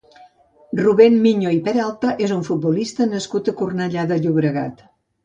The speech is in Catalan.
Rubén Miño i Peralta és un futbolista nascut a Cornellà de Llobregat.